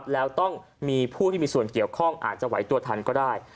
แล้วต้องมีผู้ที่มีส่วนเกี่ยวข้องอาจจะไหวตัวทันก็ได้